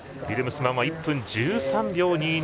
ビルムスマン１分１３秒２２